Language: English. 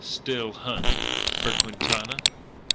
"Still hunt." "For Quintana?"